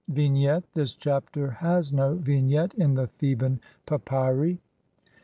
] Vignette : This Chapter has no vignette in the Theban papyri.